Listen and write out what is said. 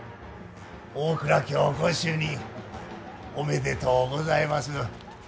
大蔵卿ご就任おめでとうございます。